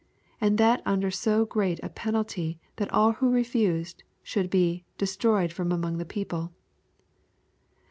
and that under so great a penalty thai all who refiised should be "destroyed from among the peo pie.'